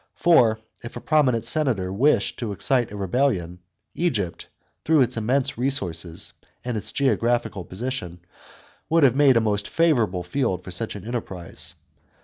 For if a prominent senator wished to excite a rebellion, Egypt, through its immense resources and its geographical position, would have been a most favourable field for such an enterprise.